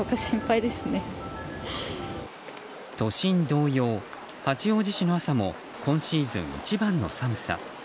都心同様、八王子市の朝も今シーズン一番の寒さ。